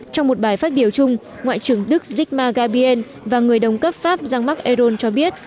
trong một bài phát biểu chung ngoại trưởng đức zygma gabien và người đồng cấp pháp jean marc ayron cho biết